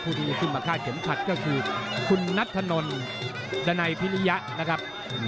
ที่จะขึ้นมาฆ่าเข็มขัดก็คือคุณนัทธนลดันัยพิริยะนะครับ